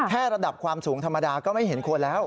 ระดับความสูงธรรมดาก็ไม่เห็นควรแล้ว